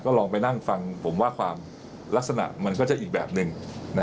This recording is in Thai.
ลองไปนั่งฟังผมว่าความลักษณะมันก็จะอีกแบบหนึ่ง